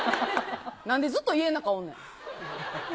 なんでずっと家の中におんねん。